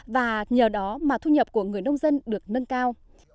và nhờ đó mà thu nhập của người nông dân được nâng cao